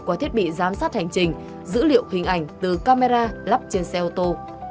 qua thiết bị giám sát hành trình dữ liệu hình ảnh từ camera lắp trên xe ô tô